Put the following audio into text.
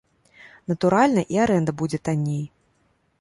Натуральна, і арэнда будзе танней.